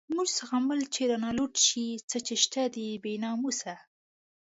موږ زغمل چی رانه لوټ شی، څه چی شته دی بی ناموسه